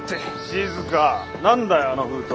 静何だよあの封筒。